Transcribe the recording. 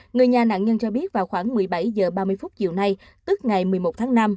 người nhà nạn nhân cho biết vào khoảng một mươi bảy h ba mươi chiều nay tức ngày một mươi một tháng năm